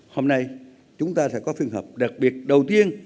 hôm nay chúng ta sẽ có phiên hợp đặc biệt đầu tiên